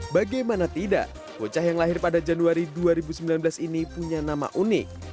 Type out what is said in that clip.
bagaimana tidak bocah yang lahir pada januari dua ribu sembilan belas ini punya nama unik